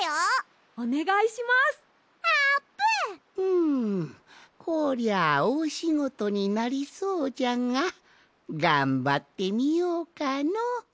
んこりゃおおしごとになりそうじゃががんばってみようかの！